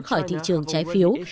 khỏi thị trường trái phiếu